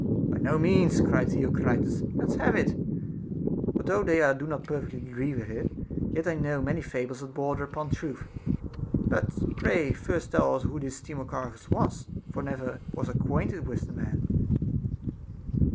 By no SOCRATES'S DAEMON. 407 means, cried Theocritus, let's have it ; for though they do not perfectly agree with it, yet I know many fahles that border upon truth ; but pray first tell us who this Timar chus was, for I never was acquainted with the man.